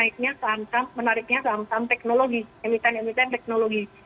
dan menariknya langsam teknologi